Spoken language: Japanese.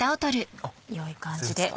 良い感じで。